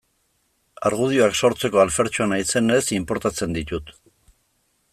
Argudioak sortzeko alfertxoa naizenez, inportatzen ditut.